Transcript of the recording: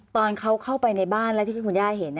ตอนเขาเข้าไปในบ้านแล้วที่คุณย่าเห็น